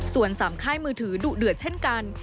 ส่วน๓ค่ายมือถือดุเดือดเช่นกัน